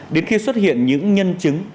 đến khi xuất hiện những nhân chứng